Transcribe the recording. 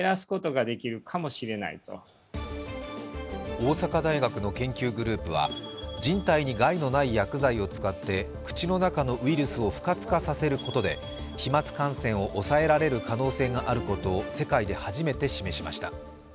大阪大学の研究グループは人体に害のない薬剤を使って口の中のウイルスを不活化させることで飛まつ感染を抑えられる可能性があることを世界で初めて示しました。